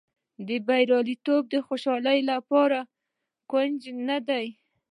بریالیتوب د خوشالۍ لپاره کونجي نه ده.